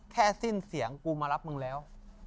สิ้นเสียงกูมารับมึงแล้ว